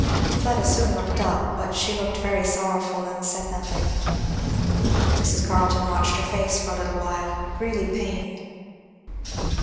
Fleda soon looked up, but she looked very sorrowful, and said nothing. Mrs. Carleton watched her face for a little while, really pained.